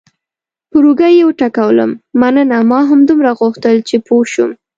پر اوږه یې وټکولم: مننه، ما همدومره غوښتل چې پوه شم.